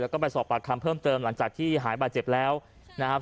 แล้วก็ไปสอบปากคำเพิ่มเติมหลังจากที่หายบาดเจ็บแล้วนะครับ